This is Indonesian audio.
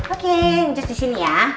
oke anjus disini ya